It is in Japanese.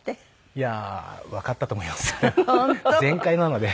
いやわかったと思いますね。